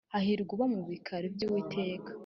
Hahirwa uba mu bikari by’Uwiteka